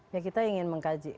ya kita ingin mengkaji